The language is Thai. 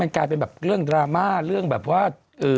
กลายเป็นแบบเรื่องดราม่าเรื่องแบบว่า